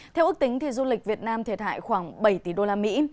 theo ước tính du lịch việt nam thiệt hại khoảng bảy tỷ đô la mỹ